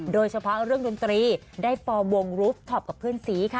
โดยเฉพาะเรื่องดนตรีได้ฟอร์วงรูปท็อปกับเพื่อนสีค่ะ